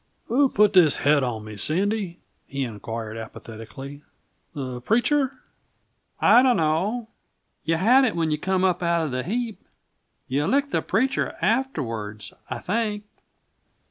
"Who put this head on me, Sandy?" he inquired apathetically. "The preacher?" "I d' know. You had it when you come up outa the heap. You licked the preacher afterwards, I think."